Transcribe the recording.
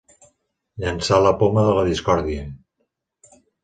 Llançar la poma de la discòrdia.